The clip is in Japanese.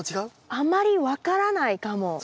あまり分からないかも。